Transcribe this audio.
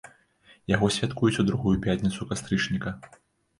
Яго святкуюць у другую пятніцу кастрычніка.